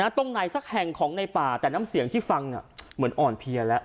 ตรงไหนสักแห่งของในป่าแต่น้ำเสียงที่ฟังเหมือนอ่อนเพลียแล้ว